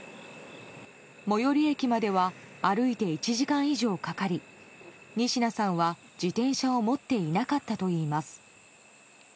最寄り駅までは歩いて１時間以上かかり仁科さんは自転車を持っていなかったといいます。